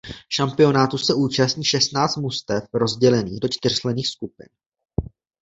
Šampionátu se účastní šestnáct mužstev rozdělených do čtyř čtyřčlenných skupin.